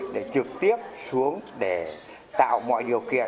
để trực tiếp xuống để tạo mọi điều kiện